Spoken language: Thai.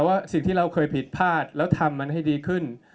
ว่าสิ่งที่เราเคยผิดพลาดแล้วทำมันให้ดีขึ้น